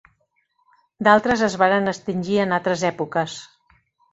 D'altres es varen extingir en altres èpoques.